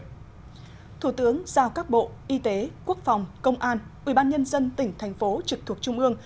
thủ tướng giao các bộ y tế quốc phòng công an ủy ban nhân dân tỉnh thành phố trực thuộc trung ương